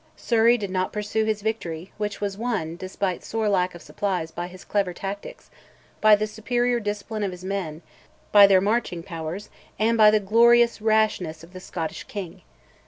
Surrey did not pursue his victory, which was won, despite sore lack of supplies, by his clever tactics, by the superior discipline of his men, by their marching powers, and by the glorious rashness of the Scottish king.